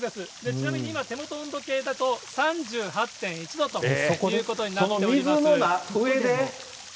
ちなみに今、手元の温度計だと、３８．１度ということになっておそこで？